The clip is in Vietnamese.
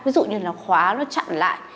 ví dụ như là khóa nó chặn lại